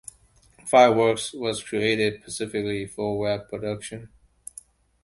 Fireworks was created specifically for web production.